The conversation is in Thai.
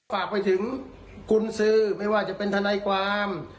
ฝากไปถึงกุญสือไม่ว่าจะเป็นทนายความ